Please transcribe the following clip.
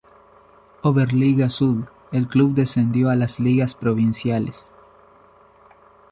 Oberliga Süd, el club descendió a las ligas provinciales.